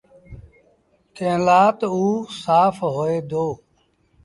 ڪݩهݩ لآ تا اوٚ سآڦ هوئي دو۔